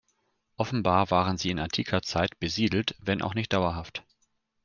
Offenbar waren sie in antiker Zeit besiedelt, wenn auch nicht dauerhaft.